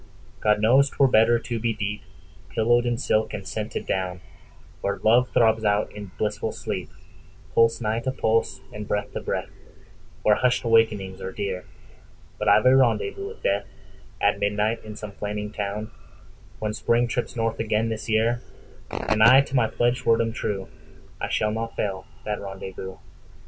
God knows 'twere better to be deepPillowed in silk and scented down, Where love throbs out in blissful sleep, Pulse nigh to pulse, and breath to breath, Where hushed awakenings are dear…But I've a rendezvous with DeathAt midnight in some flaming town, When Spring trips north again this year, And I to my pledged word am true,I shall not fail that rendezvous.